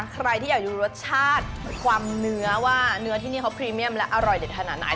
ใครที่อยากดูรสชาติความเนื้อว่าเนื้อที่นี่เขาพรีเมียมและอร่อยเด็ดขนาดไหน